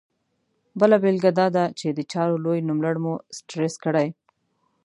بله بېلګه دا ده چې د چارو لوی نوملړ مو سټرس کړي.